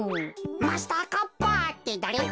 マスターカッパーってだれ？